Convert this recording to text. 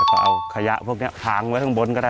ก็เอาขยะพวกนี้ค้างไว้ข้างบนก็ได้